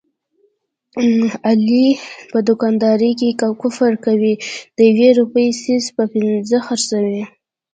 علي په دوکاندارۍ کې کفر کوي، د یوې روپۍ څیز په پینځه خرڅوي.